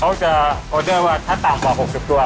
เขาจะออเดอร์ว่าถ้าต่ำกว่า๖๐ตัว